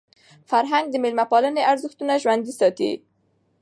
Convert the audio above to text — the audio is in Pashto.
فرهنګ د میلمه پالني ارزښتونه ژوندۍ ساتي.